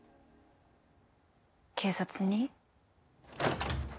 警察に？